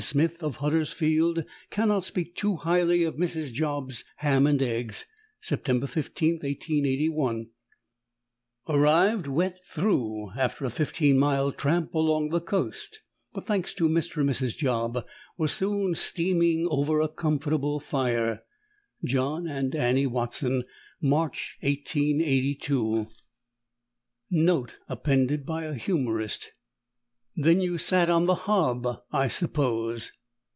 Smith of Huddersfield, cannot speak too highly of Mrs. Job's ham and eggs. September 15, 1881_. _Arrived wet through after a 15 mile tramp along the coast; but thanks to Mr. and Mrs. Job were soon steaming over a comfortable fire. John and Annie Watson, March, 1882._ Note appended by a humorist: _Then you sat on the hob, I suppose.